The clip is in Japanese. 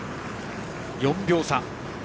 ４秒差。